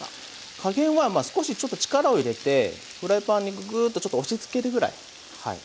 加減はまあ少しちょっと力を入れてフライパンにグーッとちょっと押しつけるぐらいはい。